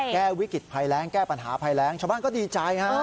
แก้วิกฤตภัยแรงแก้ปัญหาภัยแรงชาวบ้านก็ดีใจฮะ